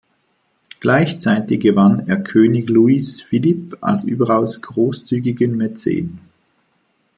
Gleichzeitig gewann er König Louis Philippe als überaus großzügigen Mäzen.